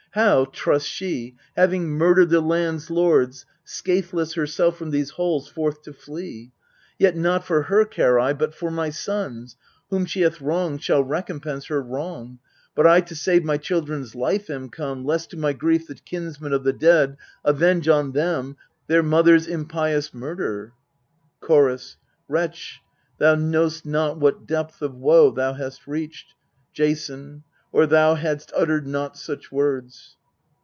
How, trusts she, having murdered the land's lords, Scatheless herself from these halls forth to flee ? Yet not for her care I, but for my sons. Whom she hath wronged shall recompense her wrong: But I to save my childen's life am come, Lest to my grief the kinsmen of the dead Avenge on them their mother's impious murder. Chorus. Wretch, thou know'st not what depth of woe thou hast reached, Jason, or thou hadst uttered not such words.